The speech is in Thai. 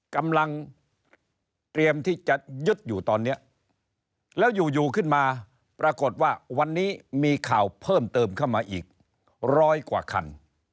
กำลังเตรียมที่จะยึดอยู่ตอนนี้แล้วอยู่ขึ้นมาปรากฏว่าวันนี้มีข่าวเพิ่มเติมเข้ามาอีกร้อยกว่าคัน